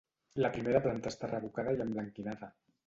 La primera planta està revocada i emblanquinada.